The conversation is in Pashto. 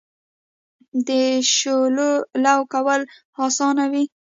د شولو لو کول اسانه وي.